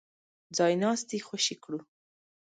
ځای ناستي خوشي کړو.